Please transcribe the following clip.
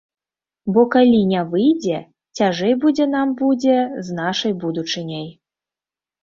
Бо калі не выйдзе, цяжэй будзе нам будзе з нашай будучыняй.